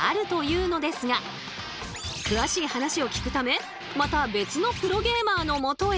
詳しい話を聞くためまた別のプロゲーマーのもとへ。